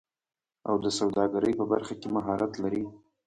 او د سوداګرۍ په برخه کې مهارت لري